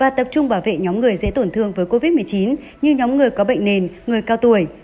tập trung bảo vệ nhóm người dễ tổn thương với covid một mươi chín như nhóm người có bệnh nền người cao tuổi